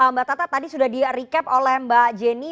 mbak tata tadi sudah di recap oleh mbak jenny